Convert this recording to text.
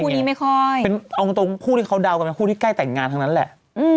นี้ไม่ค่อยเป็นเอาตรงคู่ที่เขาเดากันเป็นคู่ที่ใกล้แต่งงานทั้งนั้นแหละ